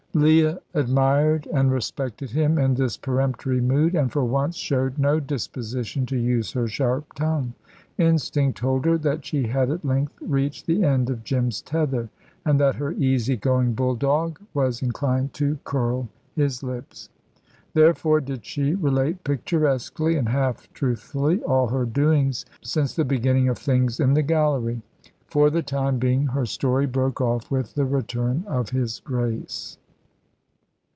Leah admired and respected him in this peremptory mood, and for once showed no disposition to use her sharp tongue. Instinct told her that she had at length reached the end of Jim's tether, and that her easy going bulldog was inclined to curl his lips. Therefore did she relate picturesquely and half truthfully all her doings since the beginning of things in the gallery. For the time being her story broke off with the return of his Grace.